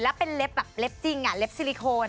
แล้วเป็นเล็บแบบเล็บจริงเล็บซิลิโคน